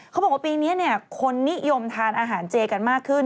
เขาบอกว่าปีนี้คนนิยมทานอาหารเจกันมากขึ้น